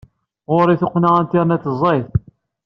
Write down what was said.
Ɣur-i tuqqna Internet ẓẓayet.